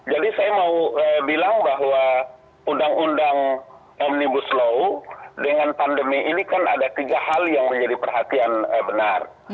saya mau bilang bahwa undang undang omnibus law dengan pandemi ini kan ada tiga hal yang menjadi perhatian benar